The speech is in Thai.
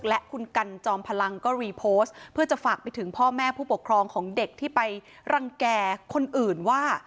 และคุณกันจอมพลังก็รีโพสต์เพื่อจะฝากไปถึงพ่อแม่ผู้ปกครองของเด็กที่ไปรังแก่คนอื่นว่า